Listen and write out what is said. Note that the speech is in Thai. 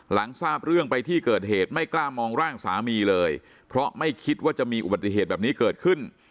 หลังทราบเรื่องไปที่เกิดเหตุไม่กล้ามองร่างสามีเลยเพราะไม่คิดว่าจะมีอุบัติเหตุแบบนี้เกิดขึ้น